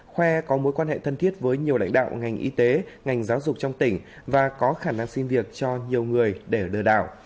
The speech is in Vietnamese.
khoe có mối quan hệ thân thiết với nhiều lãnh đạo ngành y tế ngành giáo dục trong tỉnh và có khả năng xin việc cho nhiều người để lừa đảo